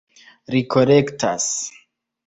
Ri korektas.